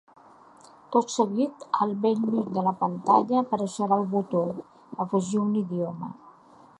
Tot seguit, al bell mig de la pantalla, apareixerà el botó “Afegir un idioma”.